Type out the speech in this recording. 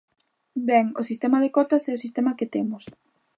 Ben, o sistema de cotas é o sistema que temos.